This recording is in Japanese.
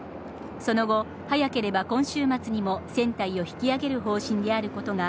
その後、早ければ今週末にも船体を引き揚げる方針であることが、